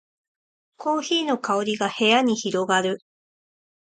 コーヒーの香りが部屋に広がる